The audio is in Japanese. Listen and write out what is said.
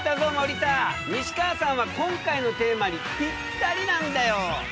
西川さんは今回のテーマにぴったりなんだよ！